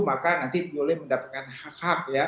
maka nanti boleh mendapatkan hak hak ya